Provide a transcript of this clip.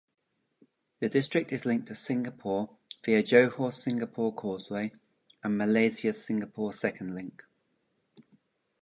The district is linked to Singapore via Johor-Singapore Causeway and Malaysia-Singapore Second Link.